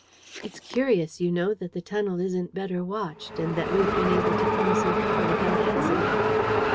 "It's curious, you know, that the tunnel isn't better watched and that we have been able to come so far without accident."